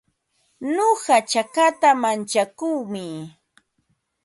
Nuqa chakata mantsakuumi.